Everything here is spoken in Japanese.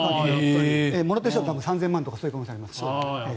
もらっている人は３０００万とかそういう可能性があります。